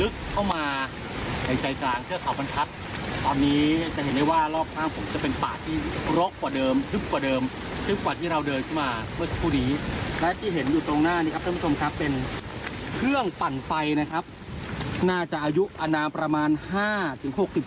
คอมพินิศนะครับที่มาตั้งฐานทัพอยู่บนเทือกข่าวบรรทัศน์โดยตรงนี้จะเป็นเครื่องฝั่นไฟที่จะดึงกระแสน้ำจากน้ำตกด้านหลังผมนะครับ